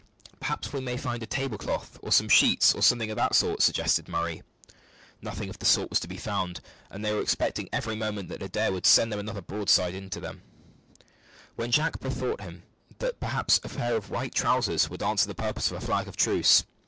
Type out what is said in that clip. "Perhaps we may find a tablecloth, or some sheets, or something of that sort," suggested Murray. Nothing of the sort was to be found; and they were expecting every moment that Adair would send another broadside into them, when Jack bethought him that perhaps a pair of white trousers would answer the purpose of a flag of truce.